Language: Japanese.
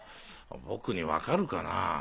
僕に分かるかなぁ。